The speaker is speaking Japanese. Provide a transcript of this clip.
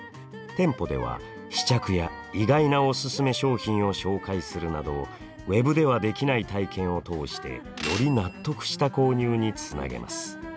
店舗では試着や意外なおすすめ商品を紹介するなどＷＥＢではできない体験を通してより納得した購入につなげます。